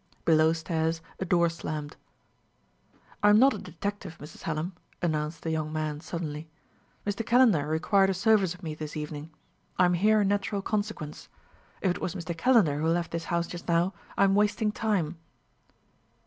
Below stairs a door slammed. "I am not a detective, Mrs. Hallam," announced the young man suddenly. "Mr. Calendar required a service of me this evening; I am here in natural consequence. If it was Mr. Calendar who left this house just now, I am wasting time."